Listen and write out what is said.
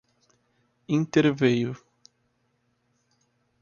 interveio